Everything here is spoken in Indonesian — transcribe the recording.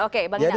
oke bang nidas